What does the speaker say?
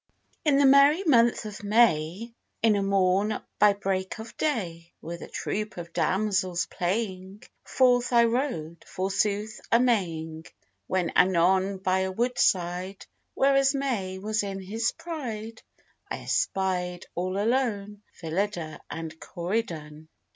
In the merry month of May, In a morn by break of day, With a troop of damsels playing, Forth I rode, forsooth, a maying, When anon by a woodside, Where as May was in his pride, I espied, all alone, Phillida and Corydon.